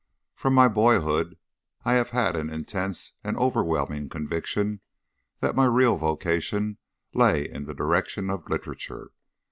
From my boyhood I have had an intense and overwhelming conviction that my real vocation lay in the direction of literature.